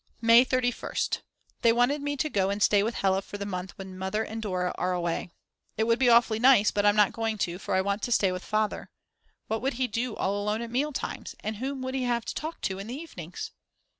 May 31st. They wanted me to go and stay with Hella for the month when Mother and Dora are away. It would be awfully nice, but I'm not going to, for I want to stay with Father. What would he do all alone at meal times, and whom would he have to talk to in the evenings?